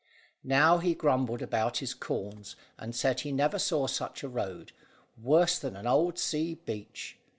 Now he grumbled about his corns, and said he never saw such a road; worse than an old sea beach.